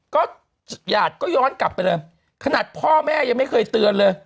ก็หยาดก็ย้อนกลับไปเลยขนาดพ่อแม่ยังไม่เคยเตือนเลย